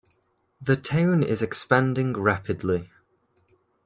The town is expanding rapidly.